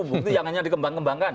bukti yang hanya dikembang kembangkan